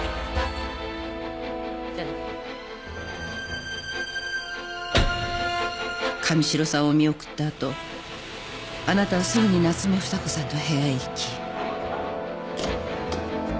じゃあね神代さんを見送った後あなたはすぐに夏目房子さんの部屋へ行き。